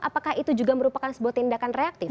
apakah itu juga merupakan sebuah tindakan reaktif